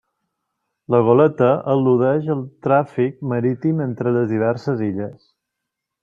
La goleta al·ludeix al tràfic marítim entre les diverses illes.